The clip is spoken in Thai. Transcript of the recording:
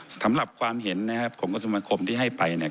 สำหรับความเห็นนะครับของกระทรวงคมที่ให้ไปเนี่ย